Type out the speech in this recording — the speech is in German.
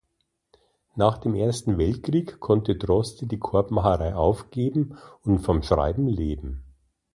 Nach dem Ersten Weltkrieg konnte Droste die Korbmacherei aufgeben und vom Schreiben leben.